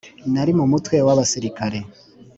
Nari mu mutwe w abasirikare